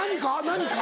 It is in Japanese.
何か？